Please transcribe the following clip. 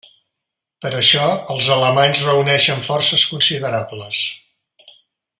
Per això els alemanys reuneixen forces considerables.